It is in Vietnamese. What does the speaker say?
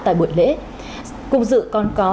tại buổi lễ cùng dự còn có